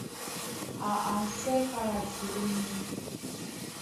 Á asɛ́ kálati ómɔ́ny.